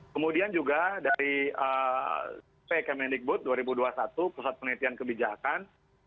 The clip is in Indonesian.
kemudian juga dari p k medicboot dua ribu dua puluh satu pusat penelitian kebijakan